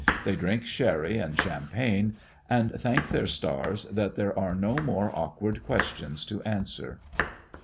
They drink sherry and champagne, and thank their stars that there are no more awkward questions to answer.